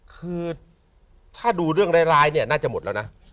คือถ้าดูเรื่องร้ายเนี่ยน่าจะหมดแล้วนะ